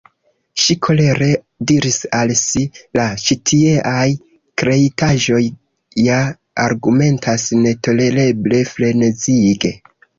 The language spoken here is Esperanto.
Ŝi kolere diris al si:— "La ĉitieaj kreitaĵoj ja argumentas netolereble, frenezige."